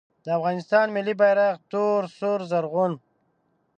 د افغانستان ملي بیرغ تور سور زرغون